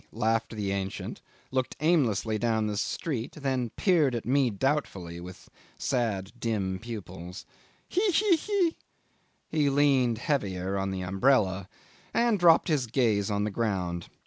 laughed the Ancient, looked aimlessly down the street, then peered at me doubtfully with sad, dim pupils. ... "He! he! he!" ... He leaned heavier on the umbrella, and dropped his gaze on the ground.